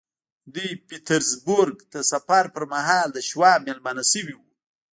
دوی پيټرزبورګ ته د سفر پر مهال د شواب مېلمانه شوي وو.